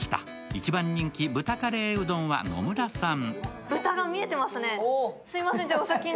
一番人気、豚カレーうどんは野村さん。